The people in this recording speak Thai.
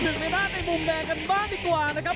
คนนี้มาจากอำเภออูทองจังหวัดสุภัณฑ์บุรีนะครับ